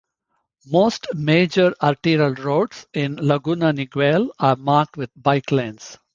Most major arterial roads in Laguna Niguel are marked with bike lanes.